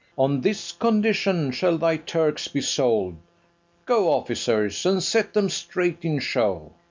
On this condition shall thy Turks be sold. Go, officers, and set them straight in show.